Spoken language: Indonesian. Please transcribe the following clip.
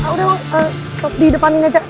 udah stop di depanin aja